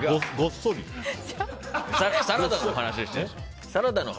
サラダの話でしたよ。